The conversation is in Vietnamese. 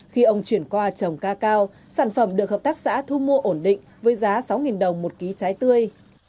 khi ông chuyển qua trồng ca cao sản phẩm được hợp tác xã thu mua ổn định với giá sáu đồng một ký trái tươi